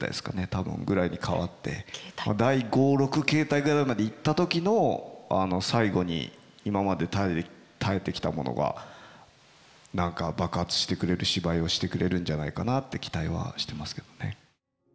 多分ぐらいに変わって第５６形態ぐらいまでいった時の最後に今まで耐えてきたものが何か爆発してくれる芝居をしてくれるんじゃないかなって期待はしてますけどね。